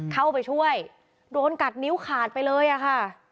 เข้าไปช่วยโดนกัดนิ้วขาดไปเลยอะค่ะ